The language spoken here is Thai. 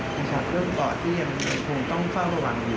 เป็นฉากเรื่องปลอดที่ยังคงต้องเข้าระวังอยู่